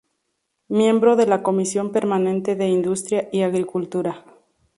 Miembro de la Comisión Permanente de Industria y Agricultura.